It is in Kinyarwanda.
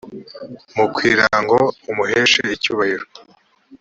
umukwira ngo umuheshe icyubahiro